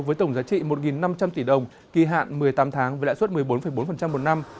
với tổng giá trị một năm trăm linh tỷ đồng kỳ hạn một mươi tám tháng với lãi suất một mươi bốn bốn một năm